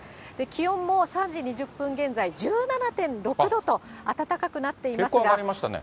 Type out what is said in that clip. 気温も３時２０分現在、１７．６度と、暖かくなっています。